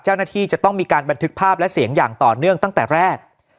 เจ้าหน้าที่จะต้องมีการบันทึกภาพและเสียงอย่างต่อเนื่องตั้งแต่แรก